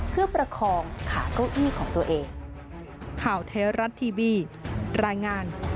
เพื่อประคองขาเก้าอี้ของตัวเอง